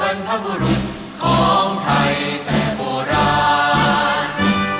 บรรพบุรุษของไทยแต่โบราณ